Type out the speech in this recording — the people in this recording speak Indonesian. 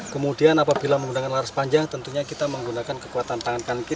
kemudian apabila menggunakan laras panjang tentunya kita menggunakan kekuatan tangan kan